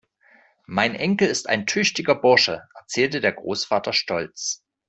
Mein Enkel ist ein tüchtiger Bursche, erzählte der Großvater stolz.